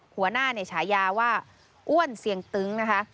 หัวหน้าฉายาว่าอ้วนเสียงตึ้งนะคะ